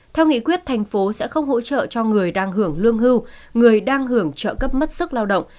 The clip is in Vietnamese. theo nghị quyết thành phố sẽ không hỗ trợ cho người đang hưởng lương hưu người đang hưởng trợ cấp mất sức lao động